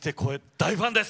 大ファンです。